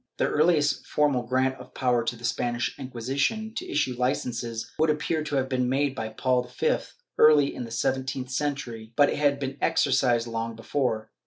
^ The earhest formal grant of power to the Spanish Inquisition to issue licences would appear to have been made by Paul V early in the seventeenth century,' but it had been exercised long before.